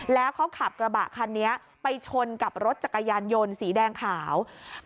แล้วเขาขับกระบะคันนี้ไปชนกับรถจักรยานยนต์สีแดงขาว